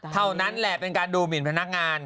เท่านั้นแหละเป็นการดูหมินพนักงาน